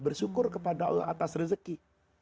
bersyukur kepada allah atas rezeki